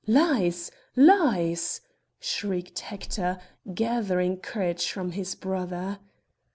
"Lies! lies!" shrieked Hector, gathering courage from his brother.